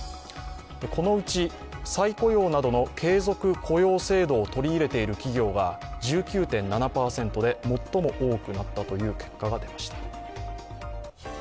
このうち、再雇用などの継続雇用制度を取り入れている企業が１９．７％で、最も多くなったという結果が出ました。